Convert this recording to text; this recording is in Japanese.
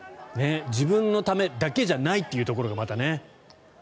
自分のためだけじゃないというところが、またね。